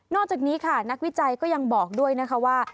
จากนี้ค่ะนักวิจัยก็ยังบอกด้วยนะคะว่า